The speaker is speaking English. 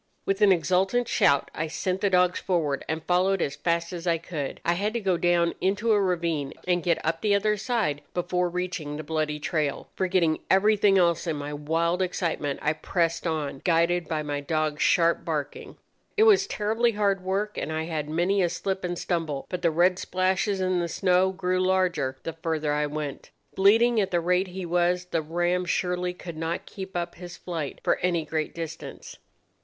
"With an exultant shout I sent the dogs forward, and followed as fast as I could. I had to go down into a ravine and get up the other side before reaching the bloody trail. Forgetting everything else in my wild excitement, I pressed on, guided by my dogs' sharp barking. It was terribly hard work, and I had many a slip and stumble; but the red splashes in the snow grew larger the further I went. Bleeding at the rate he was, the ram surely could not keep up his flight for any great distance.